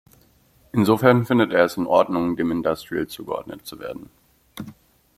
Insofern findet er es in Ordnung, dem Industrial zugeordnet zu werden.